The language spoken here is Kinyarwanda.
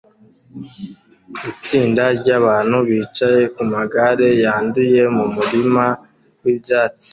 Itsinda ryabantu bicaye ku magare yanduye mu murima wibyatsi